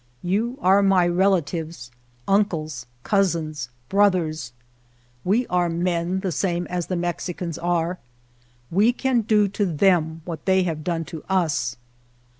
You are my relatives — uncles, cousins, brothers. We are men the same as the Mex 47 GERONIMO icans are — we can do to them what they have done to us.